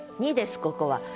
ですここは。